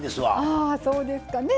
あそうですかね。